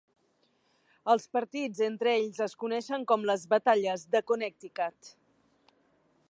Els partits entre ells es coneixen com les "batalles de Connecticut".